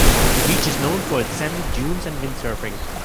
The beach is known for its sandy dunes and windsurfing.